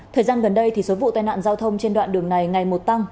thời gian gần đây số vụ tai nạn giao thông trên đoạn đường này ngày một tăng